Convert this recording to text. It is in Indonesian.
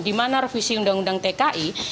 di mana revisi undang undang tki